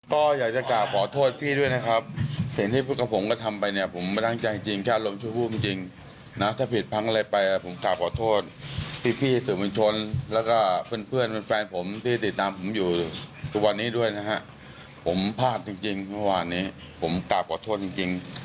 ผมกลับพี่ว่าไม่ดีนะฮะปีใหม่สิ่งที่เราร้ายแค่พอผ่านไป